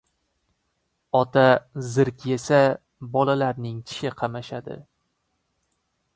• Ota zirk yesa bolalarning tishi qamashadi.